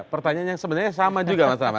pertanyaannya sebenarnya sama juga mas tamas